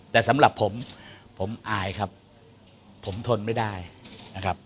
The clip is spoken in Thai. แต่สำหรับผมผมอายครับผมทนไม่ได้นะครับ